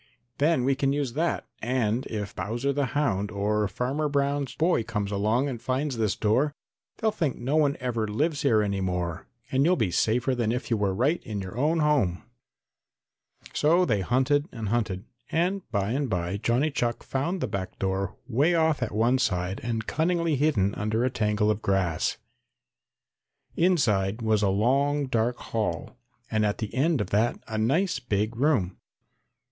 "Then we can use that, and if Bowser the Hound or Farmer Brown's boy comes along and finds this door they'll think no one ever lives here any more and you'll be safer than if you were right in your own home." So they hunted and hunted, and by and by Johnny Chuck found the back door way off at one side and cunningly hidden under a tangle of grass. Inside was a long dark hall and at the end of that a nice big room.